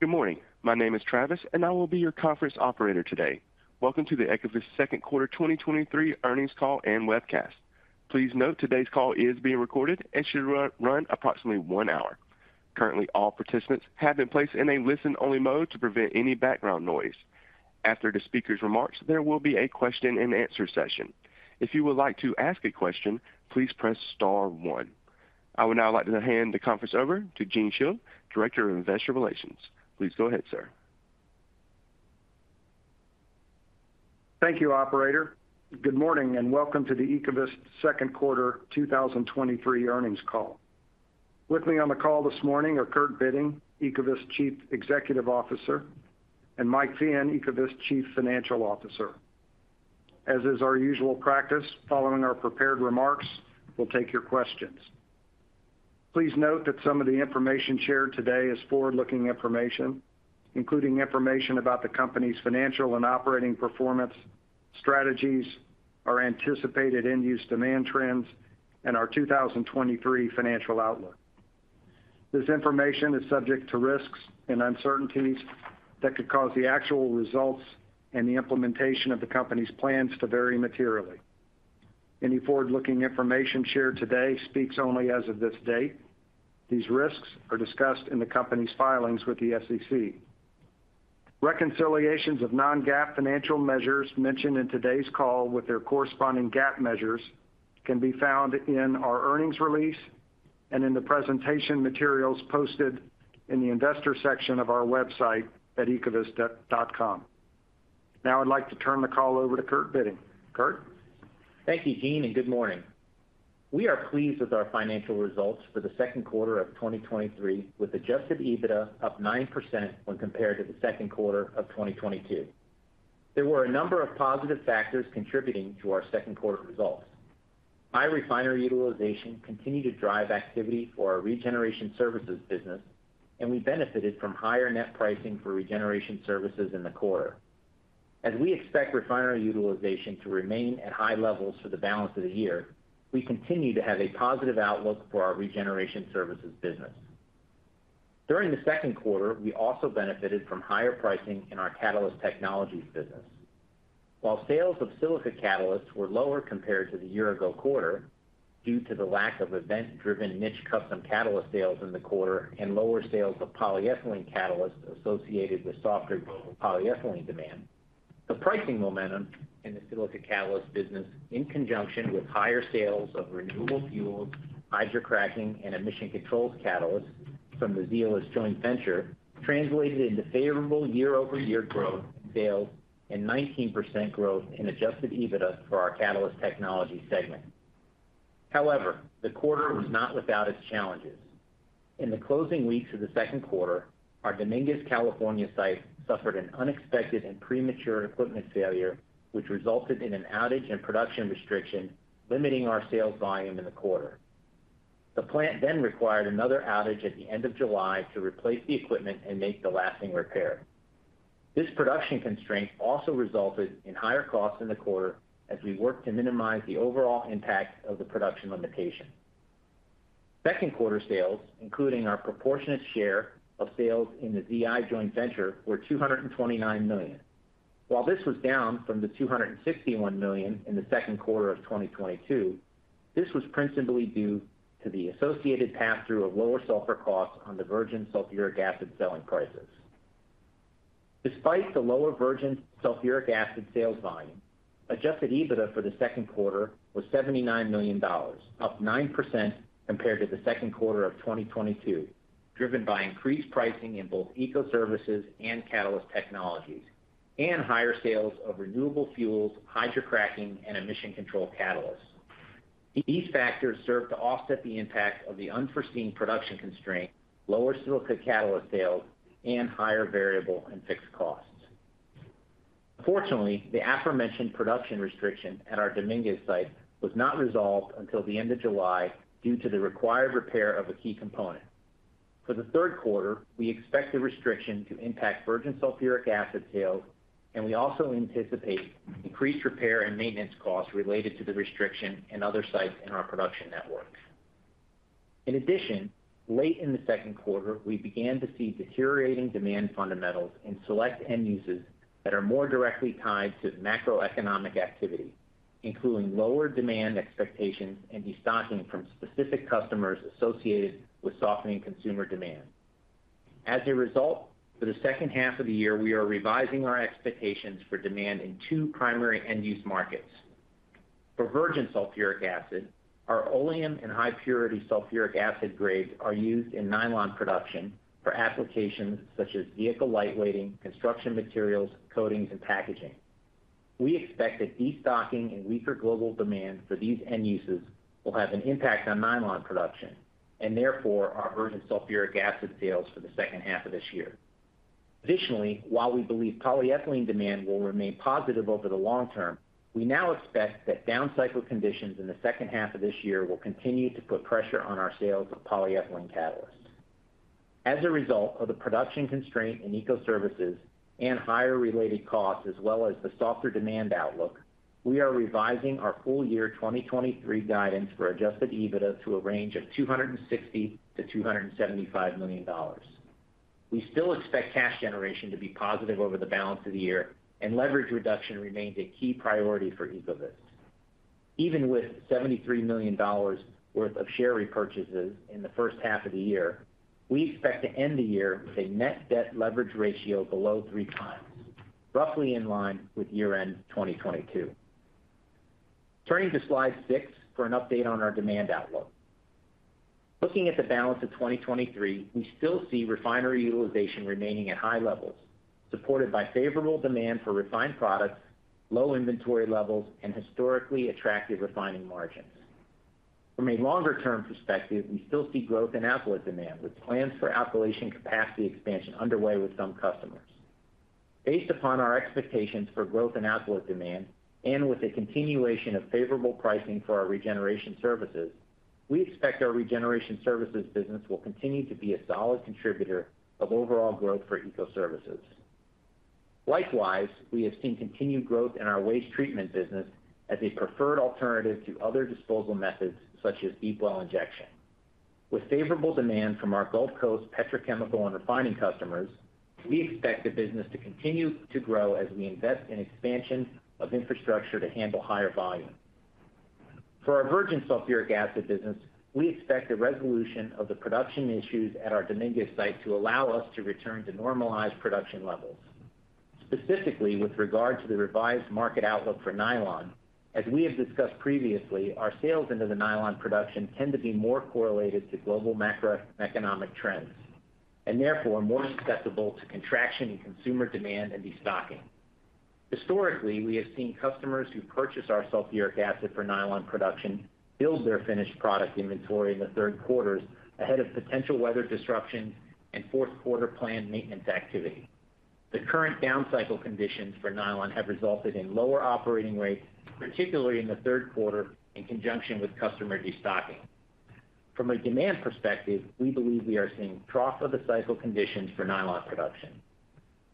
Good morning. My name is Travis. I will be your conference operator today. Welcome to the Ecovyst second quarter 2023 earnings call and webcast. Please note, today's call is being recorded and should run approximately one hour. Currently, all participants have been placed in a listen-only mode to prevent any background noise. After the speaker's remarks, there will be a question-and-answer session. If you would like to ask a question, please press star one. I would now like to hand the conference over to Gene Shiels, Director of Investor Relations. Please go ahead, sir. Thank you, operator. Good morning, and welcome to the Ecovyst second quarter 2023 earnings call. With me on the call this morning are Kurt J. Bitting, Ecovyst Chief Executive Officer, and Mike Feehan, Ecovyst Chief Financial Officer. As is our usual practice, following our prepared remarks, we'll take your questions. Please note that some of the information shared today is forward-looking information, including information about the company's financial and operating performance, strategies, our anticipated end-use demand trends, and our 2023 financial outlook. This information is subject to risks and uncertainties that could cause the actual results and the implementation of the company's plans to vary materially. Any forward-looking information shared today speaks only as of this date. These risks are discussed in the company's filings with the SEC. Reconciliations of non-GAAP financial measures mentioned in today's call with their corresponding GAAP measures can be found in our earnings release and in the presentation materials posted in the investor section of our website at ecovyst.com. Now I'd like to turn the call over to Kurt Bitting. Kurt? Thank you, Gene Shiels, and good morning. We are pleased with our financial results for the second quarter of 2023, with adjusted EBITDA up 9% when compared to the second quarter of 2022. There were a number of positive factors contributing to our second quarter results. High refinery utilization continued to drive activity for our regeneration services business, and we benefited from higher net pricing for regeneration services in the quarter. As we expect refinery utilization to remain at high levels for the balance of the year, we continue to have a positive outlook for our regeneration services business. During the second quarter, we also benefited from higher pricing in our Catalyst Technologies business. While sales of silica catalysts were lower compared to the year-ago quarter, due to the lack of event-driven niche custom catalyst sales in the quarter and lower sales of polyethylene catalysts associated with softer global polyethylene demand, the pricing momentum in the silica catalyst business, in conjunction with higher sales of renewable fuels, hydrocracking, and emission controls catalysts from the Zeolyst joint venture, translated into favorable year-over-year growth in sales and 19% growth in adjusted EBITDA for our Catalyst Technologies segment. The quarter was not without its challenges. In the closing weeks of the second quarter, our Dominguez, California, site suffered an unexpected and premature equipment failure, which resulted in an outage and production restriction, limiting our sales volume in the quarter. The plant required another outage at the end of July to replace the equipment and make the lasting repair. This production constraint also resulted in higher costs in the quarter as we worked to minimize the overall impact of the production limitation. Second quarter sales, including our proportionate share of sales in the ZEI joint venture, were $229 million. While this was down from the $261 million in the second quarter of 2022, this was principally due to the associated pass-through of lower sulfur costs on the virgin sulfuric acid selling prices. Despite the lower virgin sulfuric acid sales volume, adjusted EBITDA for the second quarter was $79 million, up 9% compared to the second quarter of 2022, driven by increased pricing in both Eco Services and Catalyst Technologies, and higher sales of renewable fuels, hydrocracking, and emission control catalysts. These factors served to offset the impact of the unforeseen production constraint, lower silica catalyst sales, and higher variable and fixed costs. Unfortunately, the aforementioned production restriction at our Dominguez site was not resolved until the end of July due to the required repair of a key component. For the third quarter, we expect the restriction to impact virgin sulfuric acid sales, and we also anticipate increased repair and maintenance costs related to the restriction in other sites in our production networks. In addition, late in the second quarter, we began to see deteriorating demand fundamentals in select end uses that are more directly tied to macroeconomic activity, including lower demand expectations and destocking from specific customers associated with softening consumer demand. As a result, for the second half of the year, we are revising our expectations for demand in two primary end-use markets. For virgin sulfuric acid, our oleum and high-purity sulfuric acid grades are used in nylon production for applications such as vehicle lightweighting, construction materials, coatings, and packaging. We expect that destocking and weaker global demand for these end uses will have an impact on nylon production, and therefore our virgin sulfuric acid sales for the second half of this year. Additionally, while we believe polyethylene demand will remain positive over the long term, we now expect that downcycle conditions in the second half of this year will continue to put pressure on our sales of polyethylene catalysts. As a result of the production constraint in eco services and higher related costs, as well as the softer demand outlook. We are revising our full year 2023 guidance for adjusted EBITDA to a range of $260 million-$275 million. We still expect cash generation to be positive over the balance of the year. Leverage reduction remains a key priority for Ecovyst. Even with $73 million worth of share repurchases in the first half of the year, we expect to end the year with a net debt leverage ratio below 3x, roughly in line with year-end 2022. Turning to Slide 6 for an update on our demand outlook. Looking at the balance of 2023, we still see refinery utilization remaining at high levels, supported by favorable demand for refined products, low inventory levels, and historically attractive refining margins. From a longer-term perspective, we still see growth in alkylate demand, with plans for alkylation capacity expansion underway with some customers. Based upon our expectations for growth in alkylate demand, and with a continuation of favorable pricing for our regeneration services, we expect our regeneration services business will continue to be a solid contributor of overall growth for Ecovyst. Likewise, we have seen continued growth in our waste treatment business as a preferred alternative to other disposal methods such as deep well injection. With favorable demand from our Gulf Coast petrochemical and refining customers, we expect the business to continue to grow as we invest in expansion of infrastructure to handle higher volume. For our virgin sulfuric acid business, we expect a resolution of the production issues at our Dominguez site to allow us to return to normalized production levels. Specifically, with regard to the revised market outlook for nylon, as we have discussed previously, our sales into the nylon production tend to be more correlated to global macroeconomic trends, and therefore more susceptible to contraction in consumer demand and destocking. Historically, we have seen customers who purchase our sulfuric acid for nylon production build their finished product inventory in the third quarters ahead of potential weather disruptions and fourth quarter planned maintenance activity. The current downcycle conditions for nylon have resulted in lower operating rates, particularly in the third quarter, in conjunction with customer destocking. From a demand perspective, we believe we are seeing trough of the cycle conditions for nylon production.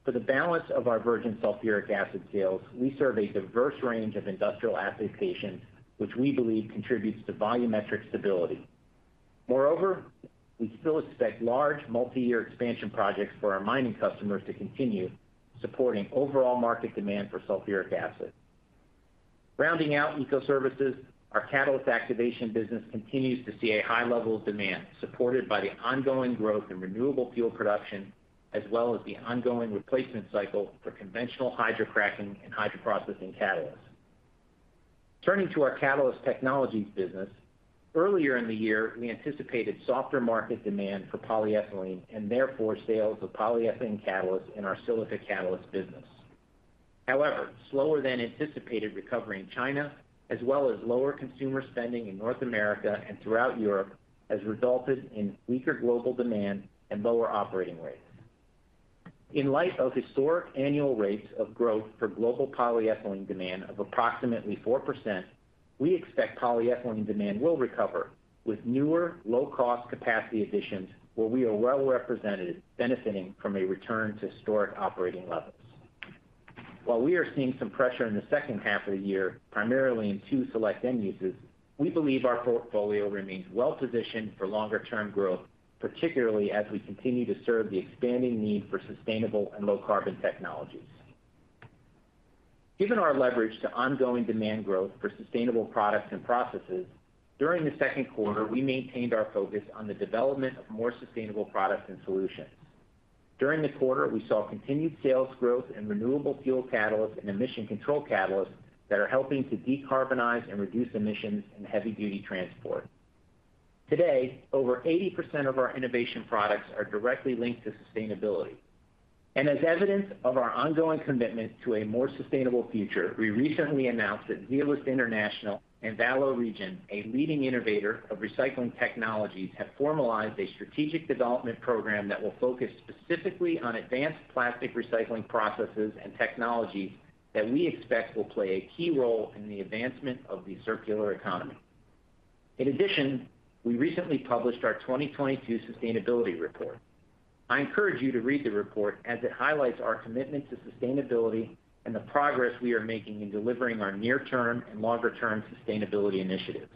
For the balance of our virgin sulfuric acid sales, we serve a diverse range of industrial acid patients, which we believe contributes to volumetric stability. Moreover, we still expect large multiyear expansion projects for our mining customers to continue, supporting overall market demand for sulfuric acid. Rounding out Eco Services, our catalyst activation business continues to see a high level of demand, supported by the ongoing growth in renewable fuel production, as well as the ongoing replacement cycle for conventional hydrocracking and hydroprocessing catalysts. Turning to our Catalyst Technologies business, earlier in the year, we anticipated softer market demand for polyethylene, and therefore sales of polyethylene catalysts in our silica catalyst business. However, slower than anticipated recovery in China, as well as lower consumer spending in North America and throughout Europe, has resulted in weaker global demand and lower operating rates. In light of historic annual rates of growth for global polyethylene demand of approximately 4%, we expect polyethylene demand will recover with newer, low-cost capacity additions, where we are well represented, benefiting from a return to historic operating levels. While we are seeing some pressure in the second half of the year, primarily in two select end uses, we believe our portfolio remains well positioned for longer term growth, particularly as we continue to serve the expanding need for sustainable and low carbon technologies. Given our leverage to ongoing demand growth for sustainable products and processes, during the second quarter, we maintained our focus on the development of more sustainable products and solutions. During the quarter, we saw continued sales growth in renewable fuel catalysts and emission control catalysts that are helping to decarbonize and reduce emissions in heavy duty transport. Today, over 80% of our innovation products are directly linked to sustainability. As evidence of our ongoing commitment to a more sustainable future, we recently announced that Zeolyst International and Valoregen, a leading innovator of recycling technologies, have formalized a strategic development program that will focus specifically on advanced plastic recycling processes and technologies that we expect will play a key role in the advancement of the circular economy. In addition, we recently published our 2022 sustainability report. I encourage you to read the report, as it highlights our commitment to sustainability and the progress we are making in delivering our near-term and longer-term sustainability initiatives.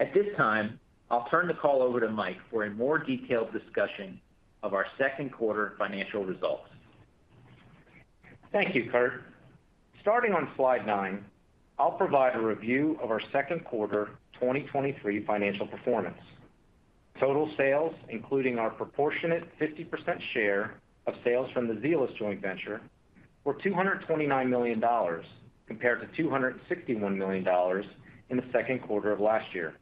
At this time, I'll turn the call over to Mike for a more detailed discussion of our second quarter financial results. Thank you, Kurt. Starting on slide nine, I'll provide a review of our second quarter 2023 financial performance. Total sales, including our proportionate 50% share of sales from the Zeolyst joint venture, were $229 million, compared to $261 million in the second quarter of last year.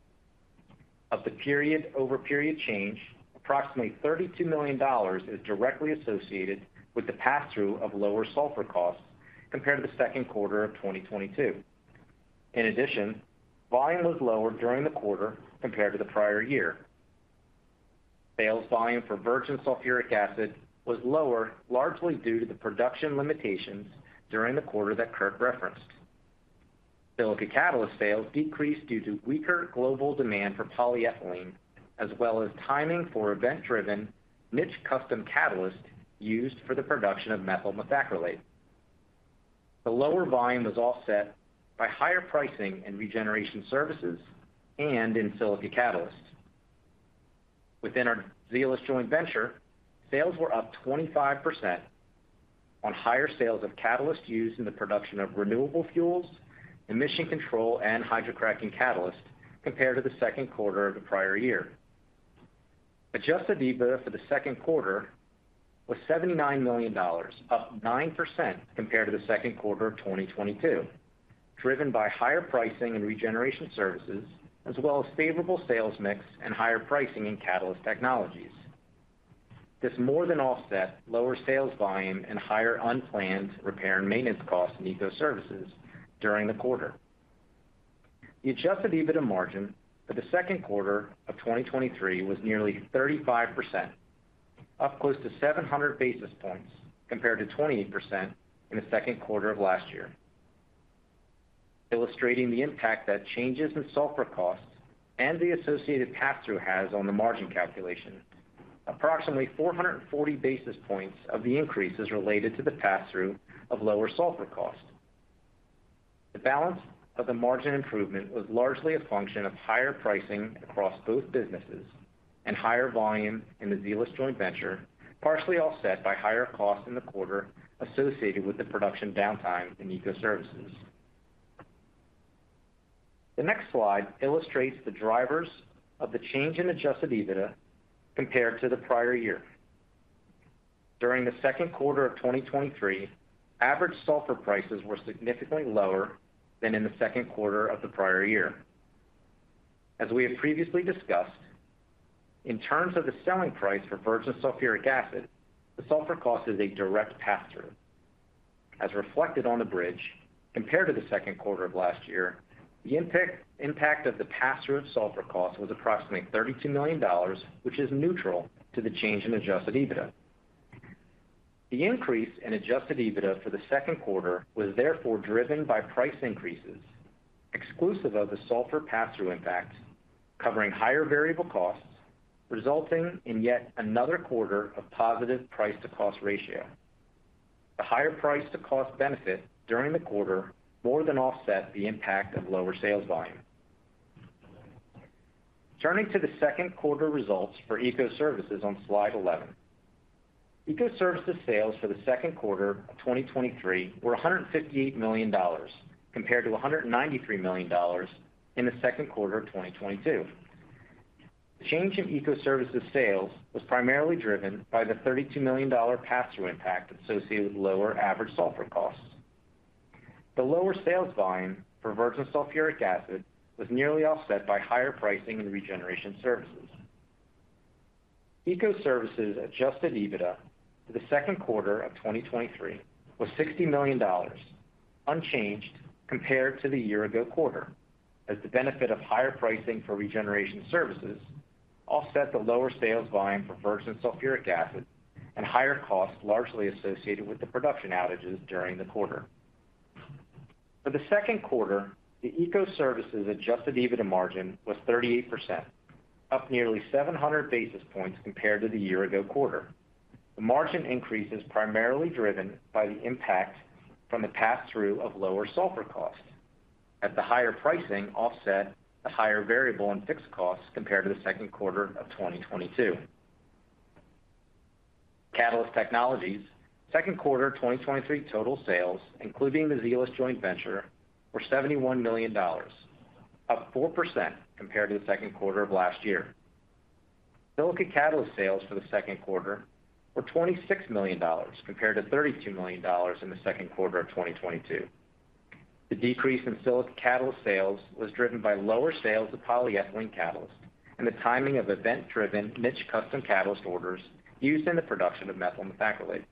Of the period-over-period change, approximately $32 million is directly associated with the pass-through of lower sulfur costs compared to the second quarter of 2022. In addition, volume was lower during the quarter compared to the prior year. Sales volume for virgin sulfuric acid was lower, largely due to the production limitations during the quarter that Kurt referenced. Silica catalyst sales decreased due to weaker global demand for polyethylene, as well as timing for event-driven... niche custom catalyst used for the production of methyl methacrylate. The lower volume was offset by higher pricing and regeneration services, and in silica catalysts. Within our Zeolyst joint venture, sales were up 25% on higher sales of catalysts used in the production of renewable fuels, emission control, and hydrocracking catalysts compared to the second quarter of the prior year. Adjusted EBITDA for the second quarter was $79 million, up 9% compared to the second quarter of 2022, driven by higher pricing and regeneration services, as well as favorable sales mix and higher pricing in Catalyst Technologies. This more than offset lower sales volume and higher unplanned repair and maintenance costs in Eco Services during the quarter. The adjusted EBITDA margin for the second quarter of 2023 was nearly 35%, up close to 700 basis points compared to 28% in the second quarter of last year. Illustrating the impact that changes in sulfur costs and the associated pass-through has on the margin calculation. Approximately 440 basis points of the increase is related to the pass-through of lower sulfur cost. The balance of the margin improvement was largely a function of higher pricing across both businesses and higher volume in the Zeolyst joint venture, partially offset by higher costs in the quarter associated with the production downtime in Eco Services. The next slide illustrates the drivers of the change in adjusted EBITDA compared to the prior year. During the second quarter of 2023, average sulfur prices were significantly lower than in the second quarter of the prior year. As we have previously discussed, in terms of the selling price for virgin sulfuric acid, the sulfur cost is a direct pass-through. As reflected on the bridge, compared to the second quarter of last year, the impact of the pass-through of sulfur cost was approximately $32 million, which is neutral to the change in adjusted EBITDA. The increase in adjusted EBITDA for the second quarter was therefore driven by price increases exclusive of the sulfur pass-through impact, covering higher variable costs, resulting in yet another quarter of positive price to cost ratio. The higher price to cost benefit during the quarter more than offset the impact of lower sales volume. Turning to the second quarter results for Eco Services on slide 11. Eco Services sales for the second quarter of 2023 were $158 million, compared to $193 million in the second quarter of 2022. The change in Eco Services sales was primarily driven by the $32 million pass-through impact associated with lower average sulfur costs. The lower sales volume for virgin sulfuric acid was nearly offset by higher pricing in regeneration services. Eco Services adjusted EBITDA for the second quarter of 2023 was $60 million, unchanged compared to the year ago quarter, as the benefit of higher pricing for regeneration services offset the lower sales volume for virgin sulfuric acid and higher costs largely associated with the production outages during the quarter. For the second quarter, the Eco Services adjusted EBITDA margin was 38%, up nearly 700 basis points compared to the year ago quarter. The margin increase is primarily driven by the impact from the pass-through of lower sulfur costs, as the higher pricing offset the higher variable and fixed costs compared to the second quarter of 2022. Catalyst Technologies' second quarter 2023 total sales, including the Zeolyst joint venture, were $71 million, up 4% compared to the second quarter of last year. Silica Catalyst sales for the second quarter were $26 million, compared to $32 million in the second quarter of 2022. The decrease in silica catalyst sales was driven by lower sales of polyethylene catalyst and the timing of event-driven niche custom catalyst orders used in the production of methyl methacrylate.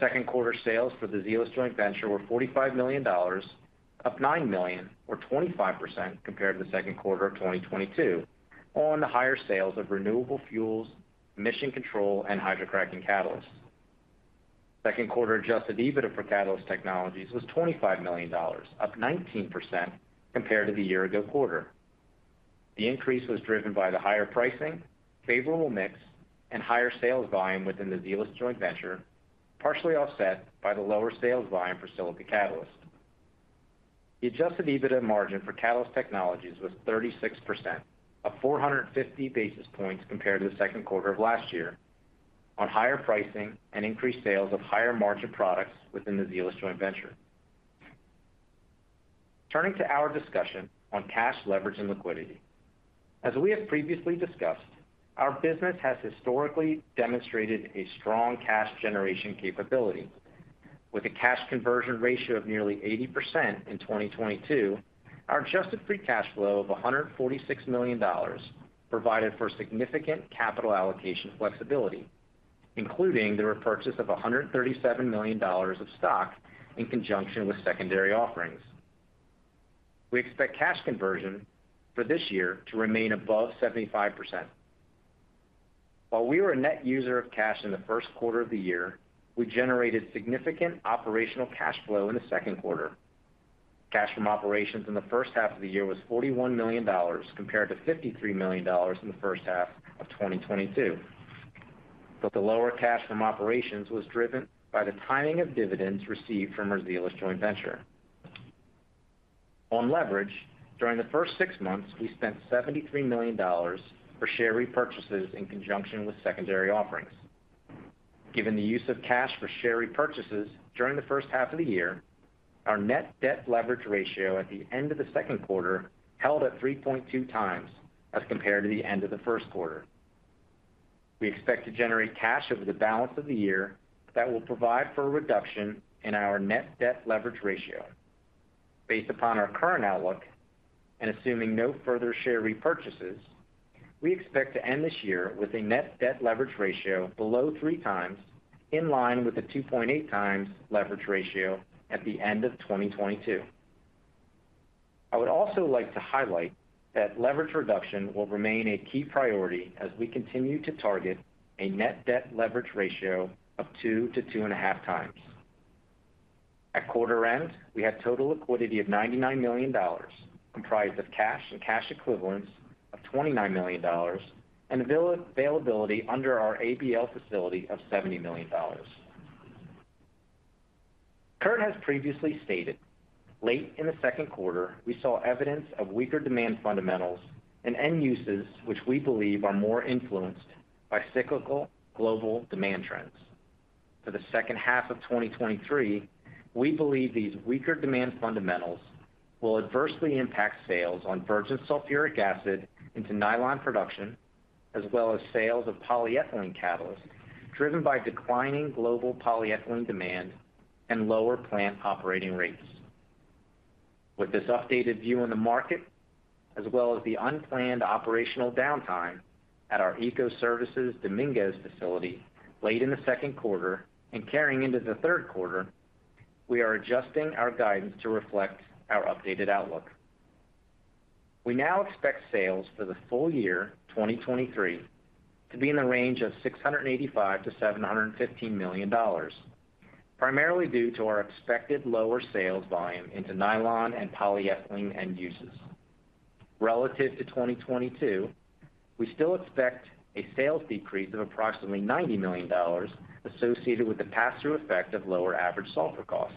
Second quarter sales for the Zeolyst joint venture were $45 million, up $9 million or 25% compared to the Second quarter of 2022, on the higher sales of renewable fuels, emission control, and hydrocracking catalysts. Second quarter adjusted EBITDA for Catalyst Technologies was $25 million, up 19% compared to the year-ago quarter. The increase was driven by the higher pricing, favorable mix, and higher sales volume within the Zeolyst joint venture, partially offset by the lower sales volume for silica catalyst. The adjusted EBITDA margin for Catalyst Technologies was 36%, up 450 basis points compared to the Second quarter of last year, on higher pricing and increased sales of higher margin products within the Zeolyst joint venture. Turning to our discussion on cash leverage and liquidity. As we have previously discussed, our business has historically demonstrated a strong cash generation capability. With a cash conversion ratio of nearly 80% in 2022, our adjusted free cash flow of $146 million provided for significant capital allocation flexibility, including the repurchase of $137 million of stock in conjunction with secondary offerings. We expect cash conversion for this year to remain above 75%. While we were a net user of cash in the first quarter of the year, we generated significant operational cash flow in the second quarter. Cash from operations in the first half of the year was $41 million, compared to $53 million in the first half of 2022. The lower cash from operations was driven by the timing of dividends received from our Zeolyst joint venture. On leverage, during the first six months, we spent $73 million for share repurchases in conjunction with secondary offerings. Given the use of cash for share repurchases during the first half of the year, our net debt leverage ratio at the end of the second quarter held at 3.2x as compared to the end of the first quarter. We expect to generate cash over the balance of the year that will provide for a reduction in our net debt leverage ratio. Based upon our current outlook and assuming no further share repurchases, we expect to end this year with a net debt leverage ratio below 3x, in line with the 2.8x leverage ratio at the end of 2022. I would also like to highlight that leverage reduction will remain a key priority as we continue to target a net debt leverage ratio of 2-2.5x. At quarter end, we had total liquidity of $99 million, comprised of cash and cash equivalents of $29 million, and availability under our ABL facility of $70 million. Kurt has previously stated, late in the second quarter, we saw evidence of weaker demand fundamentals and end uses, which we believe are more influenced by cyclical global demand trends. For the second half of 2023, we believe these weaker demand fundamentals will adversely impact sales on virgin sulfuric acid into nylon production, as well as sales of polyethylene catalyst, driven by declining global polyethylene demand and lower plant operating rates. With this updated view on the market, as well as the unplanned operational downtime at our Eco Services Dominguez facility late in the second quarter and carrying into the third quarter, we are adjusting our guidance to reflect our updated outlook. We now expect sales for the full year 2023 to be in the range of $685 million-$715 million, primarily due to our expected lower sales volume into nylon and polyethylene end uses. Relative to 2022, we still expect a sales decrease of approximately $90 million associated with the pass-through effect of lower average sulfur costs.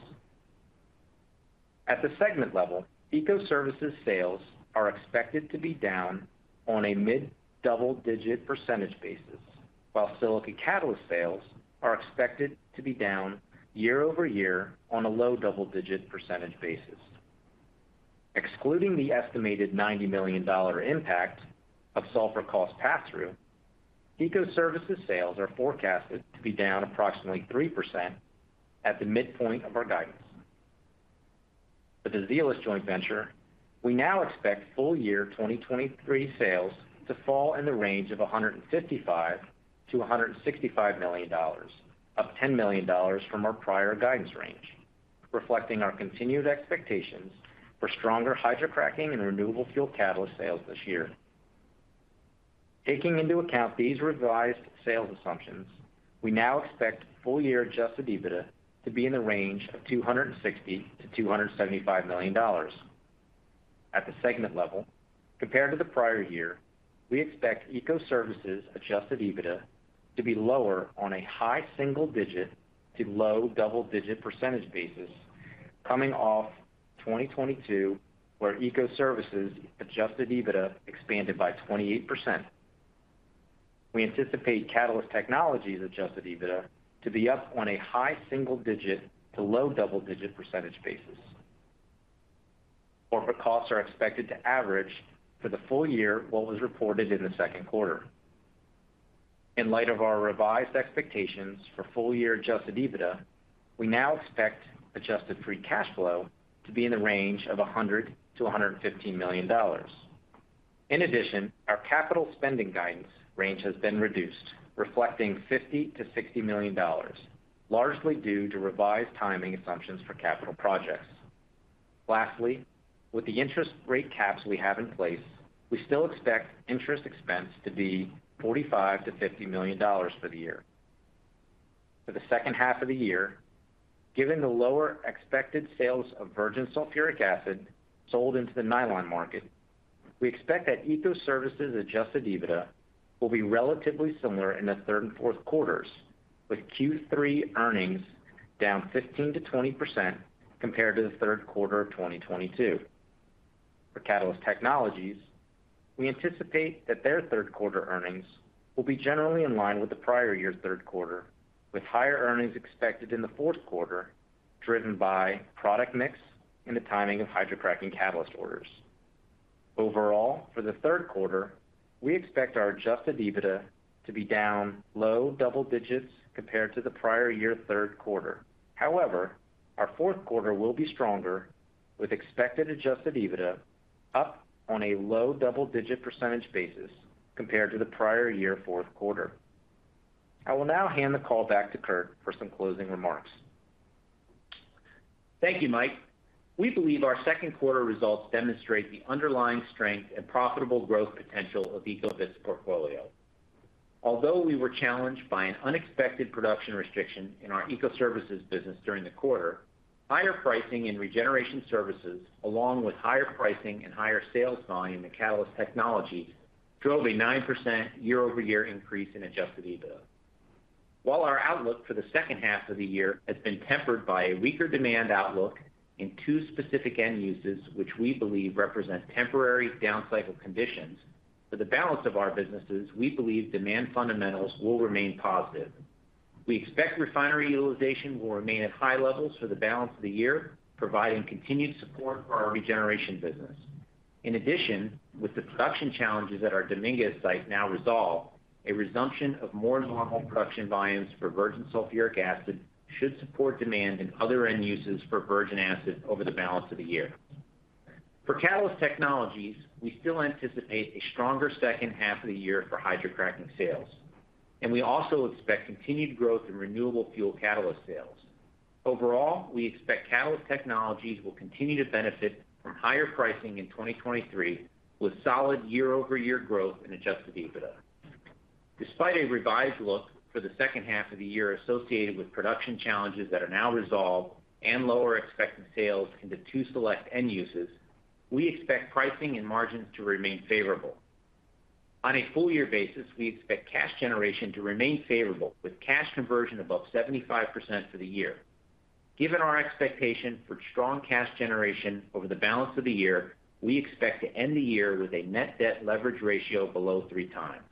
At the segment level, Eco Services sales are expected to be down on a mid-double-digit % basis, while Silica Catalyst sales are expected to be down year-over-year on a low double-digit % basis. Excluding the estimated $90 million impact of sulfur cost pass-through, Eco Services sales are forecasted to be down approximately 3% at the midpoint of our guidance. For the Zeolyst joint venture, we now expect full year 2023 sales to fall in the range of $155 million-$165 million, up $10 million from our prior guidance range, reflecting our continued expectations for stronger hydrocracking and renewable fuel catalyst sales this year. Taking into account these revised sales assumptions, we now expect full-year adjusted EBITDA to be in the range of $260 million-$275 million. At the segment level, compared to the prior year, we expect Eco Services adjusted EBITDA to be lower on a high single digit to low double-digit percentage basis, coming off 2022, where Eco Services adjusted EBITDA expanded by 28%. We anticipate Catalyst Technologies adjusted EBITDA to be up on a high single digit to low double-digit percentage basis. Corporate costs are expected to average for the full year, what was reported in the second quarter. In light of our revised expectations for full year adjusted EBITDA, we now expect adjusted free cash flow to be in the range of $100 million-$115 million. In addition, our capital spending guidance range has been reduced, reflecting $50 million-$60 million, largely due to revised timing assumptions for capital projects. Lastly, with the interest rate caps we have in place, we still expect interest expense to be $45 million-$50 million for the year. For the second half of the year, given the lower expected sales of virgin sulfuric acid sold into the nylon market, we expect that Eco Services adjusted EBITDA will be relatively similar in the third and fourth quarters, with Q3 earnings down 15%-20% compared to the third quarter of 2022. For Catalyst Technologies, we anticipate that their third quarter earnings will be generally in line with the prior year's third quarter, with higher earnings expected in the fourth quarter, driven by product mix and the timing of hydrocracking catalyst orders. Overall, for the third quarter, we expect our adjusted EBITDA to be down low double digits compared to the prior year, third quarter. However, our fourth quarter will be stronger, with expected adjusted EBITDA up on a low double-digit % basis compared to the prior year, fourth quarter. I will now hand the call back to Kurt for some closing remarks. Thank you, Mike. We believe our second quarter results demonstrate the underlying strength and profitable growth potential of the Ecovyst portfolio. We were challenged by an unexpected production restriction in our Eco Services business during the quarter, higher pricing and regeneration services, along with higher pricing and higher sales volume in the Catalyst Technologies, drove a 9% year-over-year increase in adjusted EBITDA. While our outlook for the second half of the year has been tempered by a weaker demand outlook in two specific end uses, which we believe represent temporary downcycle conditions, for the balance of our businesses, we believe demand fundamentals will remain positive. We expect refinery utilization will remain at high levels for the balance of the year, providing continued support for our regeneration business. In addition, with the production challenges at our Dominguez site now resolved, a resumption of more normal production volumes for virgin sulfuric acid should support demand in other end uses for virgin acid over the balance of the year. For Catalyst Technologies, we still anticipate a stronger second half of the year for hydrocracking sales, and we also expect continued growth in renewable fuel catalyst sales. Overall, we expect Catalyst Technology will continue to benefit from higher pricing in 2023, with solid year-over-year growth in adjusted EBITDA. Despite a revised look for the second half of the year associated with production challenges that are now resolved and lower expected sales in the two select end uses, we expect pricing and margins to remain favorable. On a full-year basis, we expect cash generation to remain favorable, with cash conversion above 75% for the year. Given our expectation for strong cash generation over the balance of the year, we expect to end the year with a net debt leverage ratio below three times.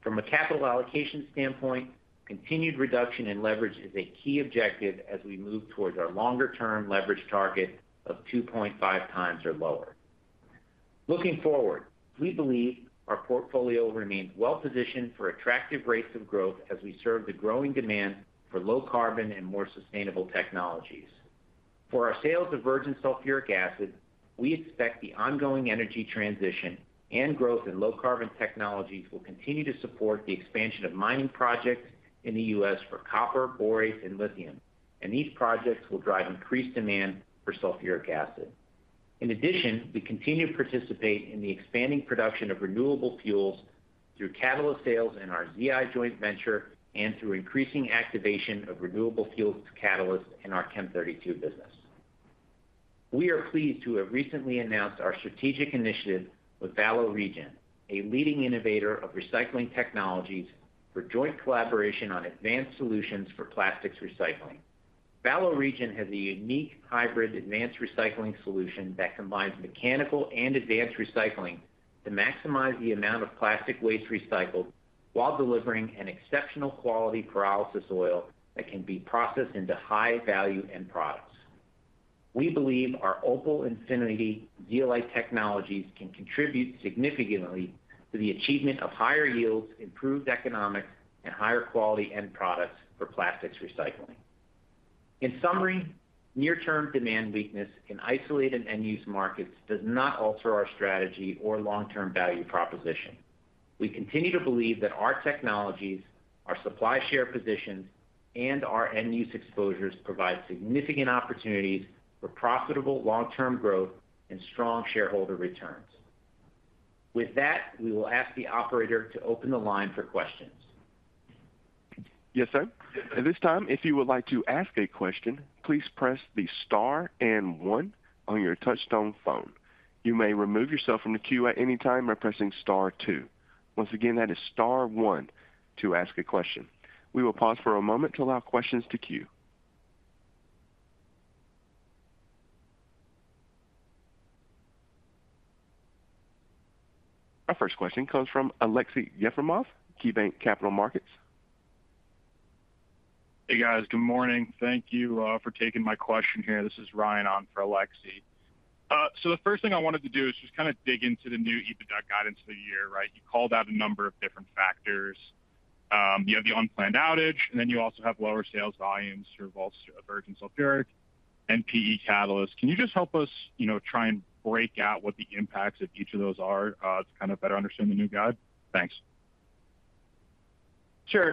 From a capital allocation standpoint, continued reduction in leverage is a key objective as we move towards our longer-term leverage target of 2.5 times or lower. Looking forward, we believe our portfolio remains well positioned for attractive rates of growth as we serve the growing demand for low carbon and more sustainable technologies. For our sales of virgin sulfuric acid, we expect the ongoing energy transition and growth in low carbon technologies will continue to support the expansion of mining projects in the U.S. for copper, borate, and lithium. These projects will drive increased demand for sulfuric acid. In addition, we continue to participate in the expanding production of renewable fuels through catalyst sales in our ZI joint venture and through increasing activation of renewable fuels catalysts in our Chem Thirty-two business. We are pleased to have recently announced our strategic initiative with Valoregen, a leading innovator of recycling technologies, for joint collaboration on advanced solutions for plastics recycling. Valoregen has a unique hybrid advanced recycling solution that combines mechanical and advanced recycling to maximize the amount of plastic waste recycled, while delivering an exceptional quality pyrolysis oil that can be processed into high-value end products. We believe our Opal Infinity Zeolite technologies can contribute significantly to the achievement of higher yields, improved economics, and higher quality end products for plastics recycling. In summary, near-term demand weakness in isolated end-use markets does not alter our strategy or long-term value proposition. We continue to believe that our technologies, our supply share positions, and our end-use exposures provide significant opportunities for profitable long-term growth and strong shareholder returns. With that, we will ask the operator to open the line for questions. Yes, sir. At this time, if you would like to ask a question, please press the star and one on your touch-tone phone. You may remove yourself from the queue at any time by pressing star two. Once again, that is star one to ask a question. We will pause for a moment to allow questions to queue. Our first question comes from Aleksey Yefremov, KeyBanc Capital Markets. Hey, guys. Good morning. Thank you for taking my question here. This is Ryan on for Aleksey. The first thing I wanted to do is just kind of dig into the new EBITDA guidance for the year, right? You called out a number of different factors. You have the unplanned outage, and then you also have lower sales volumes for virgin sulfuric and PE catalysts. Can you just help us, you know, try and break out what the impacts of each of those are to kind of better understand the new guide? Thanks.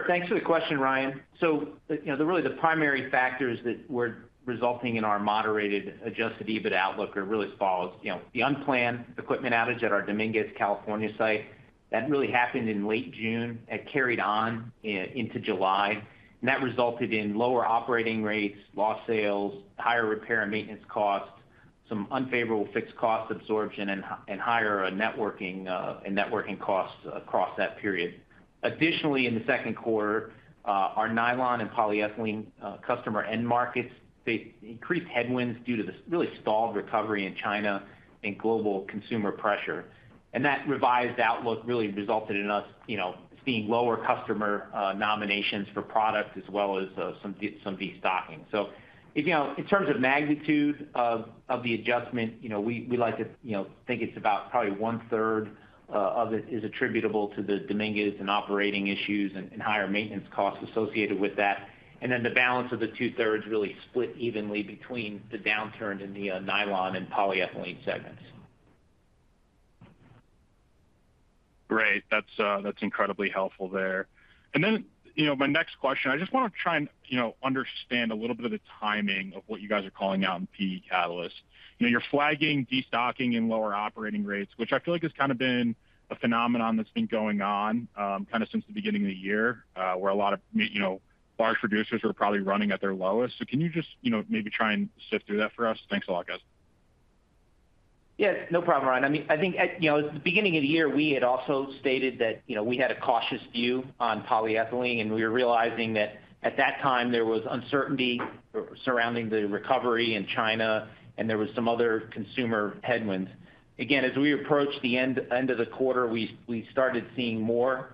Thanks for the question, Ryan. You know, the really the primary factors that were resulting in our moderated adjusted EBITDA outlook are really as follows: you know, the unplanned equipment outage at our Dominguez, California site, that really happened in late June, it carried on in, into July, and that resulted in lower operating rates, lost sales, higher repair and maintenance costs, some unfavorable fixed cost absorption and higher networking and networking costs across that period. Additionally, in the second quarter, our nylon and polyethylene customer end markets, faced increased headwinds due to this really stalled recovery in China and global consumer pressure. That revised outlook really resulted in us, you know, seeing lower customer nominations for product as well as some destocking. You know, in terms of magnitude of, of the adjustment, you know, we, we like to, you know, think it's about probably 1/3 of it is attributable to the Dominguez and operating issues and, and higher maintenance costs associated with that. The balance of the 2/3 really split evenly between the downturn in the nylon and polyethylene segments. Great. That's, that's incredibly helpful there. Then, you know, my next question, I just want to try and, you know, understand a little bit of the timing of what you guys are calling out in PE catalyst. You know, you're flagging destocking and lower operating rates, which I feel like has kind of been a phenomenon that's been going on, kind of since the beginning of the year, where a lot of, you know, large producers are probably running at their lowest. Can you just, you know, maybe try and sift through that for us? Thanks a lot, guys. Yeah, no problem, Ryan. I mean, I think, you know, at the beginning of the year, we had also stated that, you know, we had a cautious view on polyethylene. We were realizing that at that time there was uncertainty surrounding the recovery in China, and there was some other consumer headwinds. Again, as we approached the end of the quarter, we started seeing more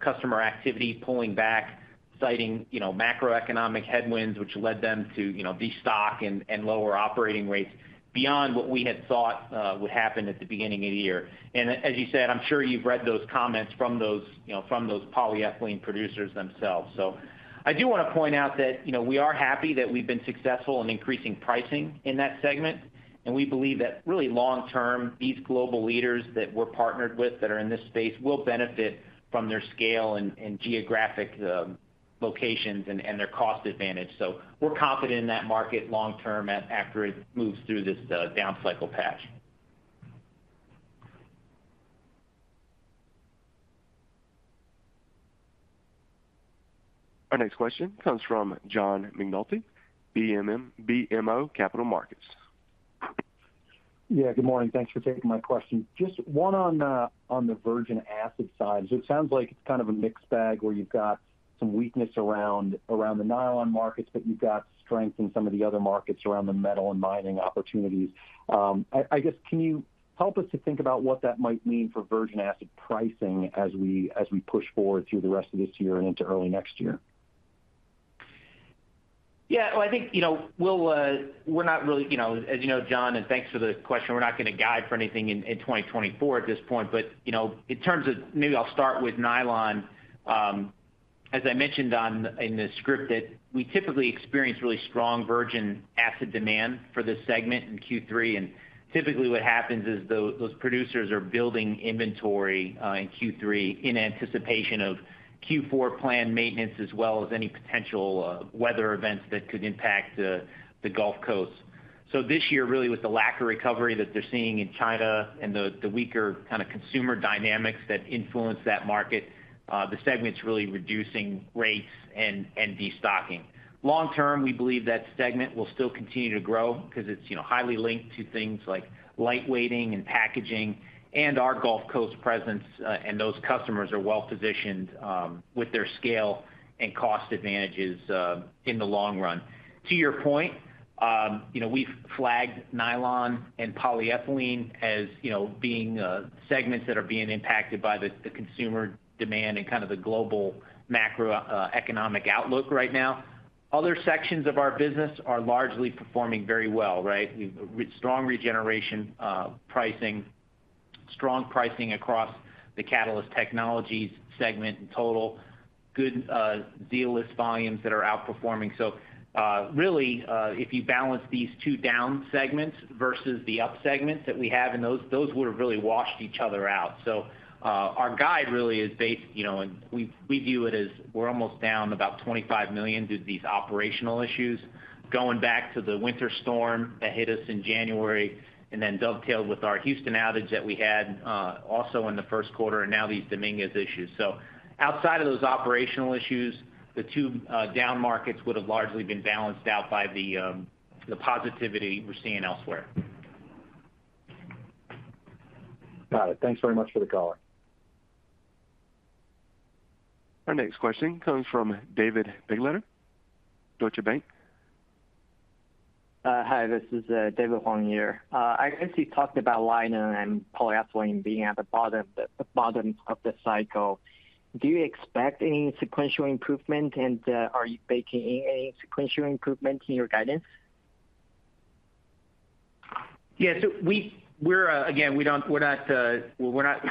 customer activity pulling back, citing, you know, macroeconomic headwinds, which led them to, you know, destock and lower operating rates beyond what we had thought would happen at the beginning of the year. As you said, I'm sure you've read those comments from those, you know, from those polyethylene producers themselves. I do want to point out that, you know, we are happy that we've been successful in increasing pricing in that segment, and we believe that really long term, these global leaders that we're partnered with that are in this space will benefit from their scale and, and geographic locations and, and their cost advantage. We're confident in that market long term, as after it moves through this downcycle patch. Our next question comes from John McNulty BMO Capital Markets. Yeah, good morning. Thanks for taking my question. Just one on, on the virgin acid side. It sounds like it's kind of a mixed bag, where you've got some weakness around, around the nylon markets, but you've got strength in some of the other markets around the metal and mining opportunities. I, I guess, can you help us to think about what that might mean for virgin acid pricing as we, as we push forward through the rest of this year and into early next year? Yeah, well, I think, you know, we'll, we're not really, you know, as you know, John, and thanks for the question, we're not going to guide for anything in, in 2024 at this point. You know, in terms of, maybe I'll start with nylon. As I mentioned on, in the script, that we typically experience really strong virgin acid demand for this segment in Q3. Typically what happens is those producers are building inventory, in Q3 in anticipation of Q4 plan maintenance, as well as any potential, weather events that could impact the, the Gulf Coast. This year, really, with the lack of recovery that they're seeing in China and the, the weaker kind of consumer dynamics that influence that market, the segment's really reducing rates and, and destocking. Long term, we believe that segment will still continue to grow because it's, you know, highly linked to things like lightweighting and packaging and our Gulf Coast presence, and those customers are well positioned with their scale and cost advantages in the long run. To your point, you know, we've flagged nylon and polyethylene as, you know, being segments that are being impacted by the, the consumer demand and kind of the global macro economic outlook right now. Other sections of our business are largely performing very well, right? We've strong regeneration pricing, strong pricing across the Catalyst Technologies segment in total. Good Zeolyst volumes that are outperforming. Really, if you balance these two down segments versus the up segments that we have, and those, those would have really washed each other out. Our guide really is based, you know, and we, we view it as we're almost down about $25 million due to these operational issues, going back to the winter storm that hit us in January and then dovetailed with our Houston outage that we had, also in the first quarter, and now these Dominguez issues. Outside of those operational issues, the two, down markets would have largely been balanced out by the positivity we're seeing elsewhere. Got it. Thanks very much for the color. Our next question comes from David Begleiter, Deutsche Bank. Hi, this is David Hong here. I guess you talked about nylon and polyethylene being at the bottom, the bottom of the cycle. Do you expect any sequential improvement, and are you baking in any sequential improvement in your guidance? Yeah, we're again, we don't we're not well, we're not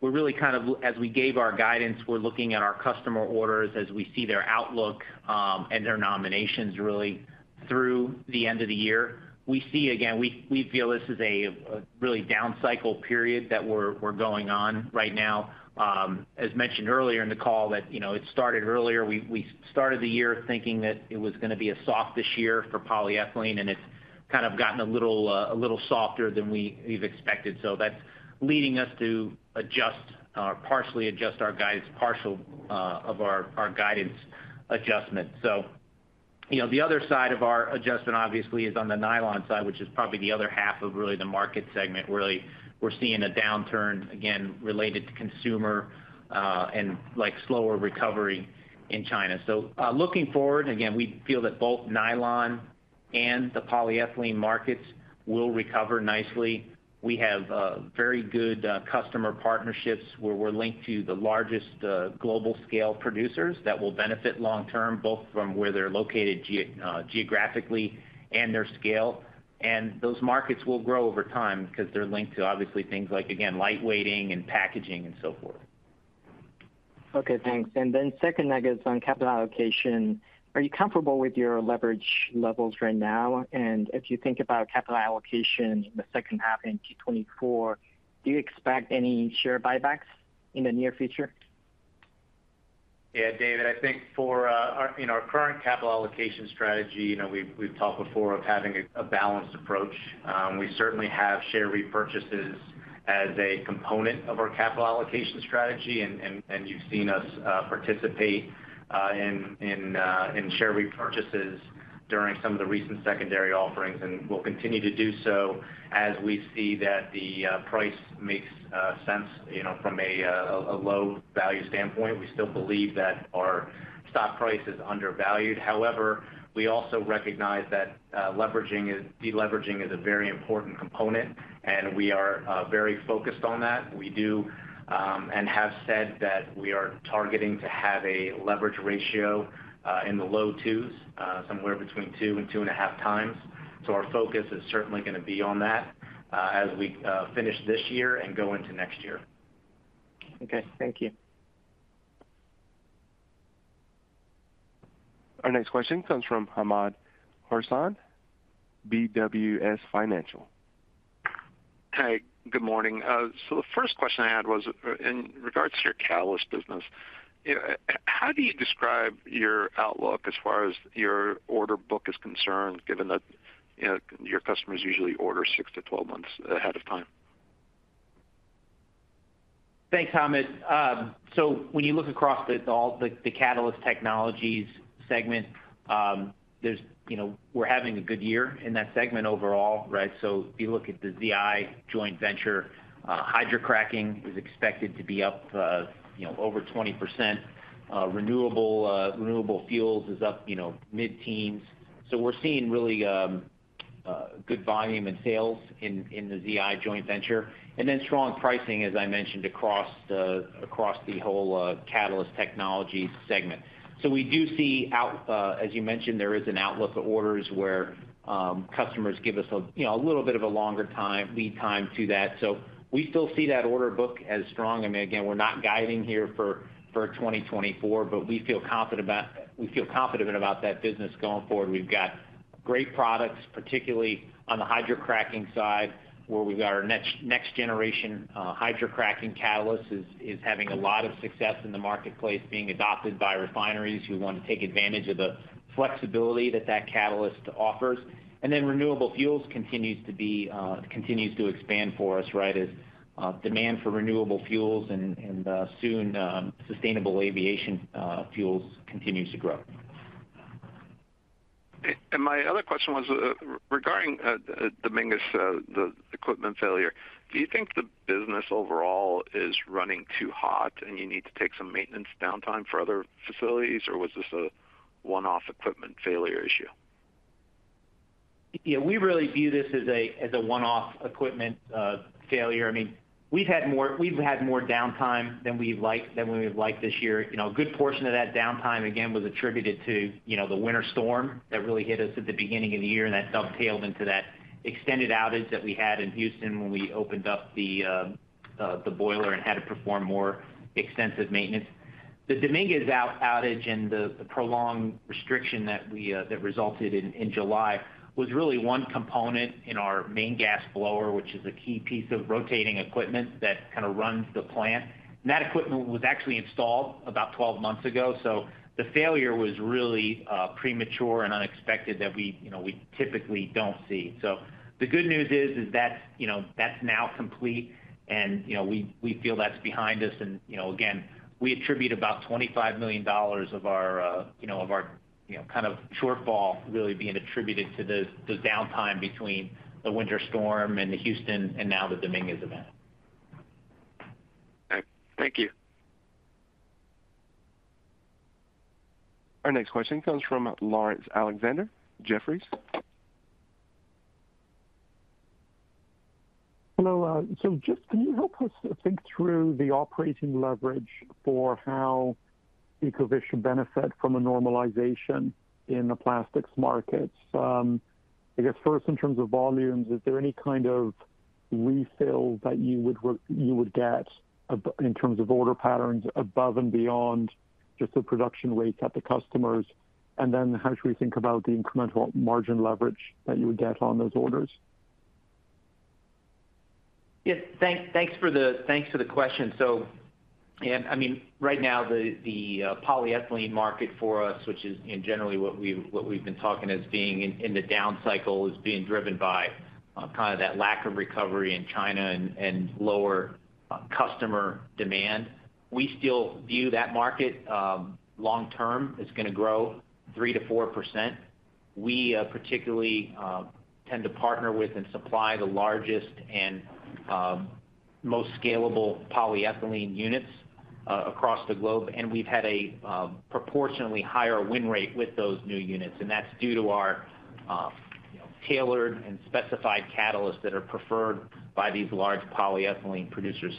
we're really kind of, as we gave our guidance, we're looking at our customer orders as we see their outlook, and their nominations really through the end of the year. We see again, we feel this is a really downcycle period that we're going on right now. As mentioned earlier in the call, that, you know, it started earlier. We started the year thinking that it was going to be a softish year for polyethylene, and it's kind of gotten a little a little softer than we've expected. That's leading us to adjust or partially adjust our guidance, partial of our, our guidance adjustment. You know, the other side of our adjustment obviously is on the nylon side, which is probably the other half of really the market segment, really. We're seeing a downturn, again, related to consumer, and like, slower recovery in China. Looking forward, again, we feel that both nylon and the polyethylene markets will recover nicely. We have very good customer partnerships where we're linked to the largest global scale producers that will benefit long term, both from where they're located geographically and their scale. Those markets will grow over time because they're linked to obviously things like, again, lightweighting and packaging and so forth. Okay, thanks. Then second nugget is on capital allocation. Are you comfortable with your leverage levels right now? If you think about capital allocation in the second half in 2024, do you expect any share buybacks in the near future? Yeah, David, I think for our, in our current capital allocation strategy, you know, we've, we've talked before of having a balanced approach. We certainly have share repurchases as a component of our capital allocation strategy, and you've seen us participate in share repurchases during some of the recent secondary offerings, and we'll continue to do so as we see that the price makes sense, you know, from a low value standpoint. We still believe that our stock price is undervalued. However, we also recognize that leveraging is-- deleveraging is a very important component, and we are very focused on that. We do, and have said that we are targeting to have a leverage ratio in the low 2s, somewhere between 2 and 2.5 times. Our focus is certainly gonna be on that, as we finish this year and go into next year. Okay, thank you. Our next question comes from Hamed Khorsand, BWS Financial. Hey, good morning. The first question I had was in regards to your catalyst business, you know, how do you describe your outlook as far as your order book is concerned, given that, you know, your customers usually order 6-12 months ahead of time? Thanks, Hamed. When you look across the-- all the, the Catalyst Technologies segment, you know, we're having a good year in that segment overall, right? If you look at the ZI joint venture, hydrocracking is expected to be up, you know, over 20%. Renewable, renewable fuels is up, you know, mid-teens. We're seeing really good volume and sales in, in the ZI joint venture, and then strong pricing, as I mentioned, across the, across the whole Catalyst Technologies segment. We do see, as you mentioned, there is an outlook of orders where customers give us a, you know, a little bit of a longer time, lead time to that. We still see that order book as strong. I mean, again, we're not guiding here for, for 2024, but we feel confident about-- we feel confident about that business going forward. We've got great products, particularly on the hydrocracking side, where we've got our next, next generation hydrocracking catalyst is, is having a lot of success in the marketplace, being adopted by refineries who want to take advantage of the flexibility that that catalyst offers. renewable fuels continues to be, continues to expand for us, right, as demand for renewable fuels and, and soon sustainable aviation fuels continues to grow. My other question was regarding Dominguez, the equipment failure. Do you think the business overall is running too hot, and you need to take some maintenance downtime for other facilities, or was this a one-off equipment failure issue? Yeah, we really view this as a, as a one-off equipment failure. I mean, we've had more downtime than we'd like-- than we would've liked this year. You know, a good portion of that downtime, again, was attributed to, you know, the winter storm that really hit us at the beginning of the year, and that dovetailed into that extended outage that we had in Houston when we opened up the boiler and had to perform more extensive maintenance. The Dominguez outage and the, the prolonged restriction that we that resulted in, in July, was really one component in our main gas blower, which is a key piece of rotating equipment that kind of runs the plant. That equipment was actually installed about 12 months ago, so the failure was really premature and unexpected that we, you know, we typically don't see. The good news is, is that, you know, that's now complete, and, you know, we, we feel that's behind us. You know, again, we attribute about $25 million of our, you know, of our, you know, kind of shortfall really being attributed to the downtime between the winter storm and the Houston and now the Dominguez event. Okay. Thank you. Our next question comes from Laurence Alexander, Jefferies. Hello, just can you help us think through the operating leverage for how Ecovyst should benefit from a normalization in the plastics markets? I guess first, in terms of volumes, is there any kind of refill that you would get in terms of order patterns, above and beyond just the production rates at the customers? Then how should we think about the incremental margin leverage that you would get on those orders? Yes, thank, thanks for the thanks for the question. I mean, right now, the, the polyethylene market for us, which is, generally what we've, what we've been talking as being in, in the down cycle, is being driven by kind of that lack of recovery in China and lower customer demand. We still view that market, long term, it's gonna grow 3%-4%. We particularly tend to partner with and supply the largest and most scalable polyethylene units across the globe, and we've had a proportionately higher win rate with those new units, and that's due to our, you know, tailored and specified catalysts that are preferred by these large polyethylene producers.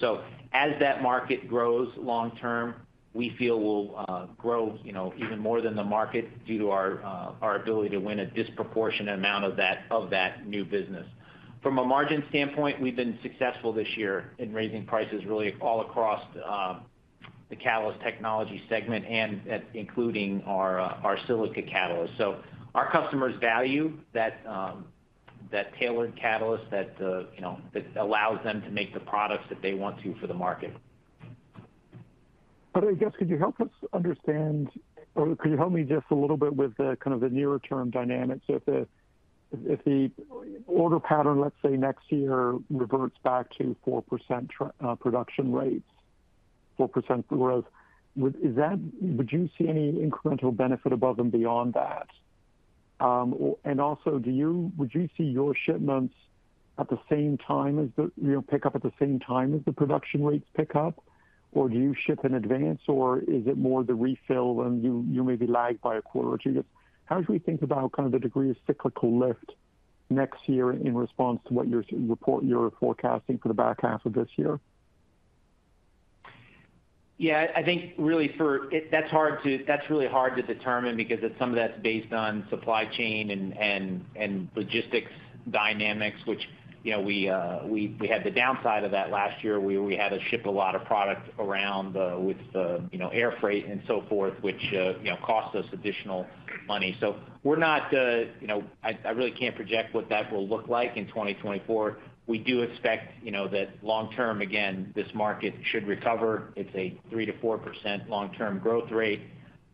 As that market grows long term, we feel we'll grow, you know, even more than the market due to our ability to win a disproportionate amount of that, of that new business. From a margin standpoint, we've been successful this year in raising prices really all across the Catalyst Technologies segment and at including our silica catalyst. Our customers value that tailored catalyst that, you know, that allows them to make the products that they want to for the market. I guess, could you help us understand or could you help me just a little bit with the kind of the nearer term dynamics? If the, if the order pattern, let's say, next year, reverts back to 4% production rates, 4% growth, would you see any incremental benefit above and beyond that? And also, would you see your shipments at the same time as the, you know, pick up at the same time as the production rates pick up? Do you ship in advance, or is it more the refill, and you, you may be lagged by a quarter or two? Just how should we think about kind of the degree of cyclical lift next year in response to what you're forecasting for the back half of this year? Yeah, I think really for... that's hard to that's really hard to determine because some of that's based on supply chain and, and, and logistics dynamics, which, you know, we, we had the downside of that last year, where we had to ship a lot of product around, with, you know, air freight and so forth, which, you know, cost us additional money. We're not, you know, I, I really can't project what that will look like in 2024. We do expect, you know, that long term, again, this market should recover. It's a 3%-4% long-term growth rate.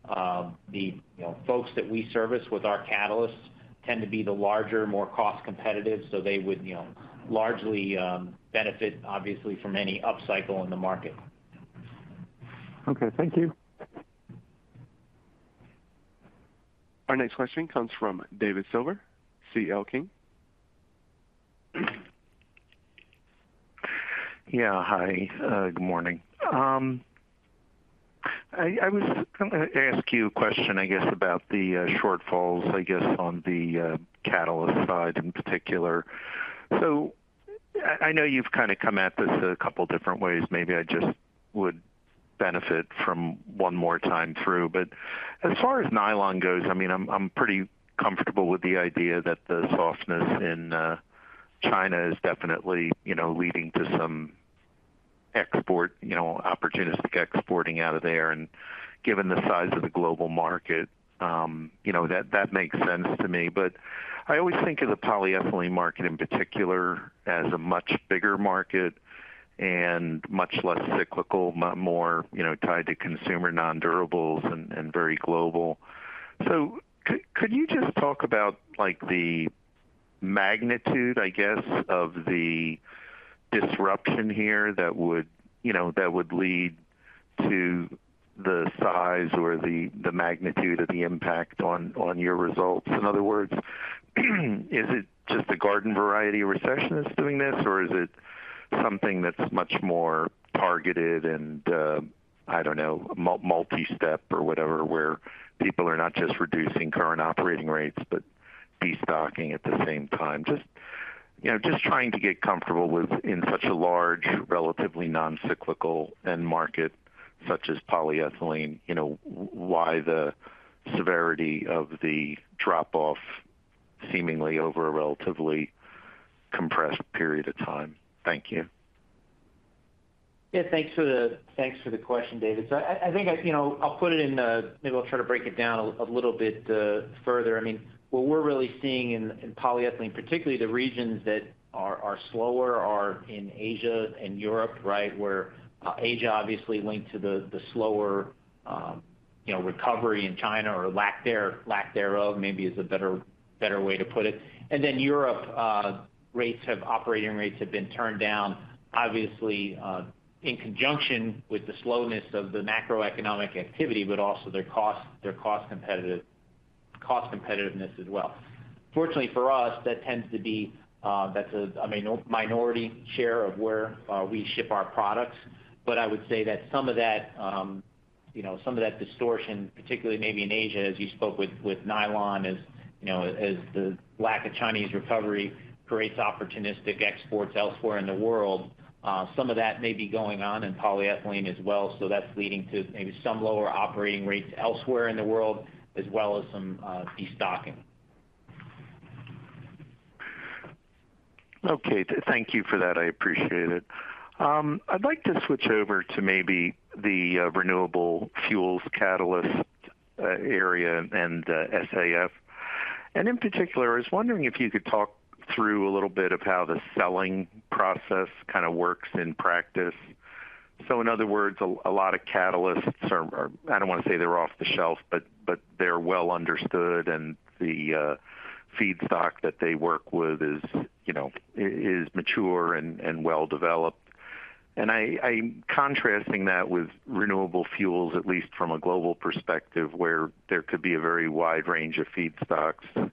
The, you know, folks that we service with our catalysts tend to be the larger, more cost competitive, so they would, you know, largely, benefit, obviously, from any upcycle in the market. Okay, thank you. Our next question comes from David Silver, CL King. Yeah, hi. Good morning. I, I was gonna ask you a question, I guess, about the shortfalls, I guess, on the catalyst side in particular. I, I know you've kind of come at this a couple different ways. Maybe I just would benefit from one more time through. As far as nylon goes, I mean, I'm, I'm pretty comfortable with the idea that the softness in China is definitely, you know, leading to some export, you know, opportunistic exporting out of there. Given the size of the global market, you know, that, that makes sense to me. I always think of the polyethylene market in particular as a much bigger market and much less cyclical, mu- more, you know, tied to consumer nondurables and, and very global. Could you just talk about, like, the magnitude, I guess, of the disruption here that would, you know, that would lead to the size or the magnitude of the impact on, on your results? In other words, is it just a garden variety recession that's doing this, or is it something that's much more targeted and, I don't know, multistep or whatever, where people are not just reducing current operating rates but destocking at the same time? Just, you know, just trying to get comfortable with, in such a large, relatively non-cyclical end market such as polyethylene, you know, why the severity of the drop-off seemingly over a relatively compressed period of time. Thank you. Yeah, thanks for the, thanks for the question, David. I, I think I, you know, I'll put it in, maybe I'll try to break it down a little bit further. I mean, what we're really seeing in, in polyethylene, particularly the regions that are, are slower, are in Asia and Europe, right? Where Asia obviously linked to the, the slower, you know, recovery in China or lack there, lack thereof, maybe is a better, better way to put it. Then Europe, operating rates have been turned down, obviously, in conjunction with the slowness of the macroeconomic activity, but also their cost, cost competitiveness as well. Fortunately for us, that tends to be, that's a, I mean, minority share of where we ship our products. I would say that some of that, you know, some of that distortion, particularly maybe in Asia, as you spoke with, with nylon, as, you know, as the lack of Chinese recovery creates opportunistic exports elsewhere in the world, some of that may be going on in polyethylene as well. That's leading to maybe some lower operating rates elsewhere in the world, as well as some destocking. Okay. Thank you for that. I appreciate it. I'd like to switch over to maybe the renewable fuels catalyst area and SAF. In particular, I was wondering if you could talk through a little bit of how the selling process kind of works in practice. In other words, a lot of catalysts are, are... I don't want to say they're off the shelf, but, but they're well understood, and the feedstock that they work with is, you know, is mature and well-developed. I, I'm contrasting that with renewable fuels, at least from a global perspective, where there could be a very wide range of feedstocks,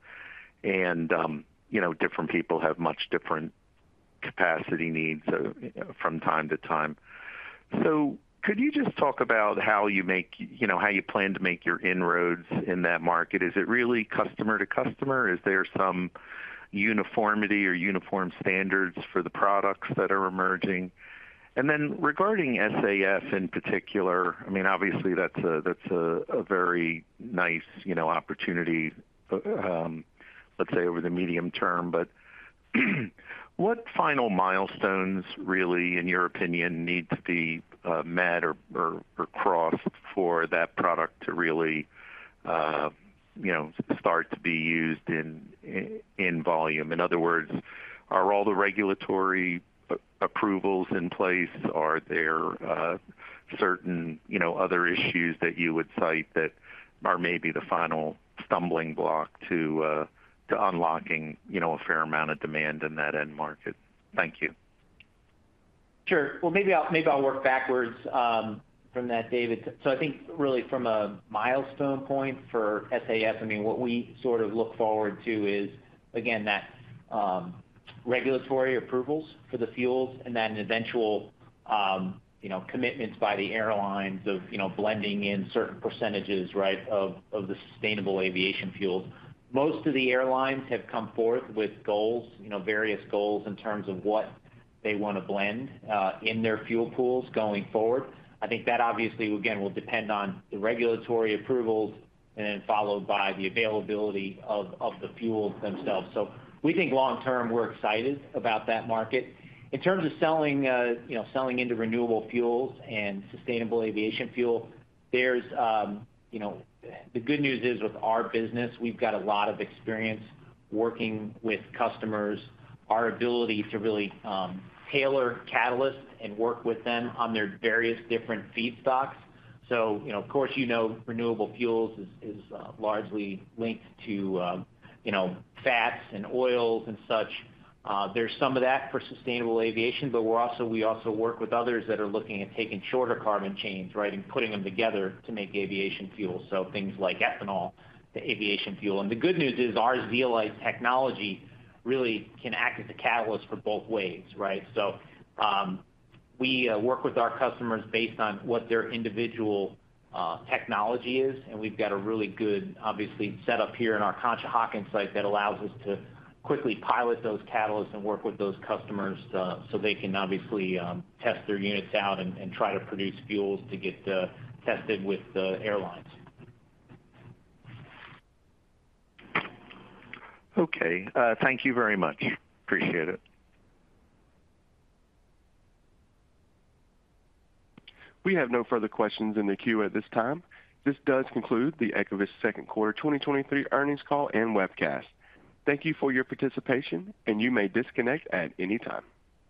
and, you know, different people have much different capacity needs from time to time. Could you just talk about how you make, you know, how you plan to make your inroads in that market? Is it really customer to customer? Is there some uniformity or uniform standards for the products that are emerging? Then regarding SAF in particular, I mean, obviously that's a, that's a, a very nice, you know, opportunity, let's say, over the medium term. What final milestones really, in your opinion, need to be met or, or, or crossed for that product to really, you know, start to be used in, in, in volume? In other words, are all the regulatory approvals in place? Are there certain, you know, other issues that you would cite that are maybe the final stumbling block to unlocking, you know, a fair amount of demand in that end market? Thank you. Sure. Well, maybe I'll, maybe I'll work backwards from that, David. I think really from a milestone point for SAF, I mean, what we sort of look forward to is, again, that regulatory approvals for the fuels and then eventual, you know, commitments by the airlines of, you know, blending in certain percentages, right, of, of the sustainable aviation fuels. Most of the airlines have come forth with goals, you know, various goals in terms of what they want to blend in their fuel pools going forward. I think that obviously, again, will depend on the regulatory approvals and then followed by the availability of, of the fuels themselves. We think long term, we're excited about that market. In terms of selling, you know, selling into renewable fuels and sustainable aviation fuel, there's, you know, the good news is, with our business, we've got a lot of experience working with customers, our ability to really tailor catalysts and work with them on their various different feedstocks. You know, of course, you know, renewable fuels is, is largely linked to, you know, fats and oils and such. There's some of that for sustainable aviation, but we also work with others that are looking at taking shorter carbon chains, right, and putting them together to make aviation fuel, so things like ethanol to aviation fuel. The good news is, our zeolite technology really can act as a catalyst for both ways, right? We work with our customers based on what their individual technology is, and we've got a really good, obviously, setup here in our Conshohocken site that allows us to quickly pilot those catalysts and work with those customers, so they can obviously test their units out and try to produce fuels to get tested with the airlines. Okay. Thank you very much. Appreciate it. We have no further questions in the queue at this time. This does conclude the Ecovyst second quarter 2023 earnings call and webcast. Thank you for your participation, and you may disconnect at any time.